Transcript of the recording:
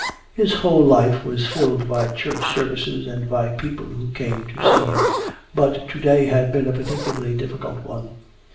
His whole life was filled by Church services and by people who came to see him, but to day had been a particularly difficult one.